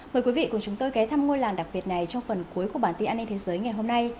mời quý vị cùng chúng tôi ghé thăm ngôi làng đặc biệt này trong phần cuối của bản tin an ninh thế giới ngày hôm nay